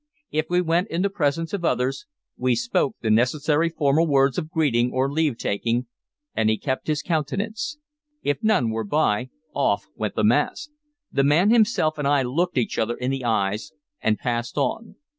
If we met in the presence of others, we spoke the necessary formal words of greeting or leave taking, and he kept his countenance; if none were by, off went the mask. The man himself and I looked each other in the eyes and passed on.